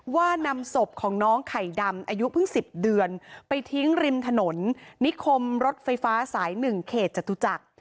นำศพของน้องไข่ดำอายุเพิ่ง๑๐เดือนไปทิ้งริมถนนนิคมรถไฟฟ้าสาย๑เขตจตุจักร